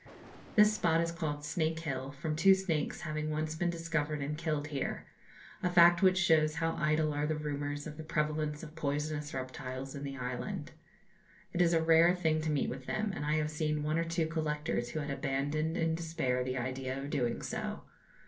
This spot is called Snake Hill, from two snakes having once been discovered and killed here, a fact which shows how idle are the rumours of the prevalence of poisonous reptiles in the island. It is a rare thing to meet with them, and I have seen one or two collectors who had abandoned in despair the idea of doing so.